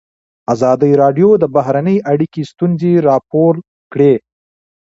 ازادي راډیو د بهرنۍ اړیکې ستونزې راپور کړي.